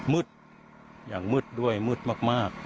มืดอย่างมืดด้วยมืดมาก